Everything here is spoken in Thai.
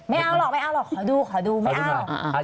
ไม่เอาหรอกขอดูไม่เอา